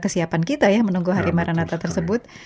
kesiapan kita ya menunggu hari maranata tersebut